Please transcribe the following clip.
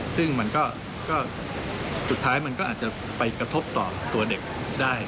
ซึ่งมันก็สุดท้ายมันก็อาจจะไปกระทบต่อตัวเด็กได้